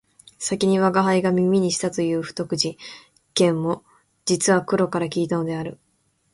先に吾輩が耳にしたという不徳事件も実は黒から聞いたのである